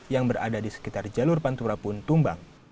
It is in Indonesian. yang berada di sekitar jalur pantura pun tumbang